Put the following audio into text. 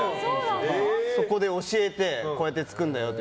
そこで教えてこうやって作るんだよって。